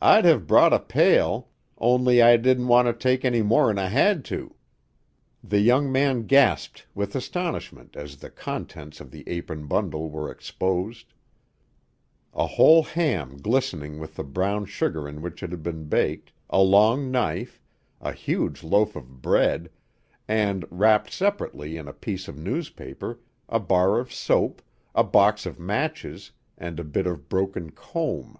"I'd have brought a pail, only I didn't want to take any more 'n I had to." The young man gasped with astonishment as the contents of the apron bundle were exposed: a whole ham glistening with the brown sugar in which it had been baked, a long knife, a huge loaf of bread, and, wrapped separately in a piece of newspaper, a bar of soap, a box of matches, and a bit of broken comb.